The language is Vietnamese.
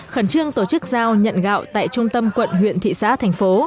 khẩn trương tổ chức giao nhận gạo tại trung tâm quận huyện thị xã thành phố